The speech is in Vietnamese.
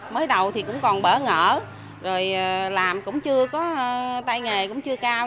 mới đầu thì cũng còn bỡ ngỡ rồi làm cũng chưa có tay nghề cũng chưa cao